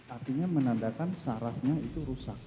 artinya menandakan sarafnya itu rusak